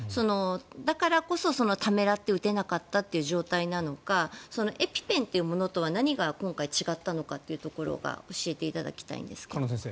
だからこそ、ためらって打てなかったという状態なのかエピペンというものとは何が今回違ったのかというところを鹿野先生。